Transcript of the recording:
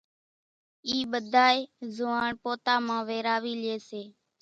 اِي ٻڌائي زوئاڻ پوتا مان ويراوي لئي سي،